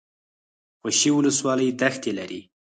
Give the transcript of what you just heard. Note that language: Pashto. خوشي ولسوالۍ دښتې لري؟